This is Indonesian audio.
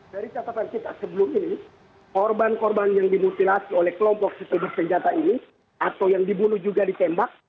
dari catatan kita sebelum ini korban korban yang dimutilasi oleh kelompok sipil senjata ini atau yang dibunuh juga ditembak